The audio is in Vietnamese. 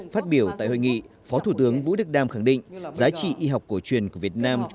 phát biểu tại hội nghị phó thủ tướng vũ đức đam khẳng định giá trị y học cổ truyền của việt nam